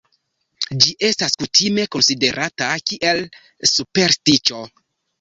Ĝi estas kutime konsiderata kiel superstiĉo.